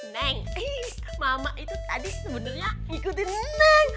neng mama itu tadi sebenernya ngikutin neng